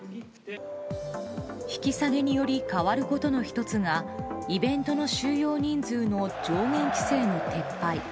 引き下げにより変わることの１つがイベントの収容人数の上限規制の撤廃。